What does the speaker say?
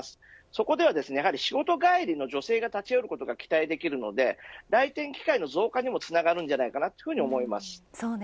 そこでは仕事帰りの女性が立ち寄ることが期待できるので来店機会の増加にもつながると思います。